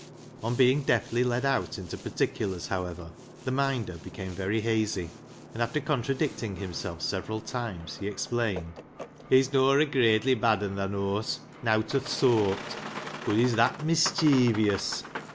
On being deftly led out into particulars, however, the Minder became very hazy, and, after contra dicting himself several times, he explained —" He's nor a gradely bad un, thaa knows ; nowt o' th' sooart. Bud he's that mischeevious."